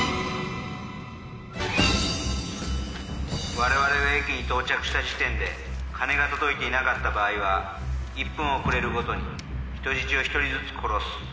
我々が駅に到着した時点で金が届いていなかった場合は１分遅れるごとに人質をひとりずつ殺す。